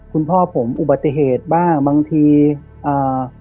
คุณพ่อผมอุบัติเหตุบ้างบางทีอ่า